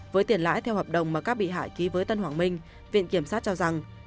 với tiền lãi theo hợp đồng mà các bị hại ký với tân hoàng minh viện kiểm sát cho rằng